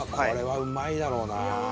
これはうまいだろうなあ。